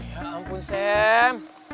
ya ampun sam